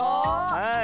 はい。